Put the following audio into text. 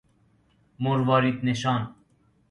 مروارید نشان